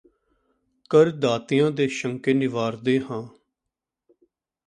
ਕਰ ਦਾਤਿਆਂ ਦੇ ਸ਼ੰਕੇ ਨਿਵਾਰਦੇ ਹਾਂ